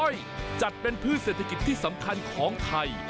อ้อยจัดเป็นพืชเศรษฐกิจที่สำคัญของไทย